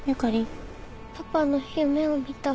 パパの夢を見た。